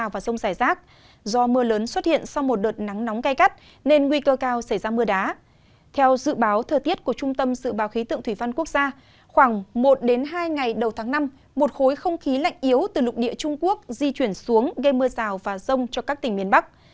vào một hai ngày đầu tháng năm một khối không khí lạnh yếu từ lục địa trung quốc di chuyển xuống gây mưa rào và rông cho các tỉnh miền bắc